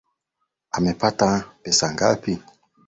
Amepata pesa ngapi?